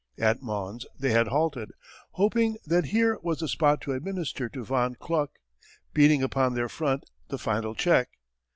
At Mons they had halted, hoping that here was the spot to administer to von Kluck, beating upon their front, the final check.